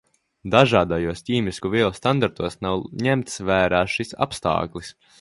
Dažādajos ķīmisko vielu standartos nav ņemts vērā šis apstāklis.